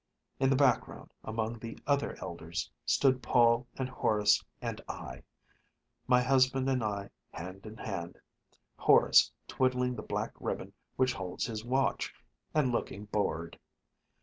In the background among the other elders, stood Paul and Horace and I my husband and I hand in hand; Horace twiddling the black ribbon which holds his watch, and looking bored.